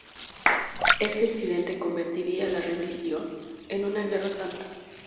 Este incidente convertiría la rebelión en una guerra santa.